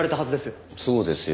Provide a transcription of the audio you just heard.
そうですよ。